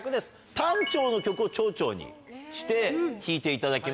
短調の曲を長調にして弾いていただきますんで。